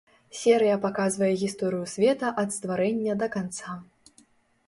Серыя паказвае гісторыю света ад стварэння да канца.